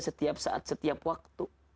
setiap saat setiap waktu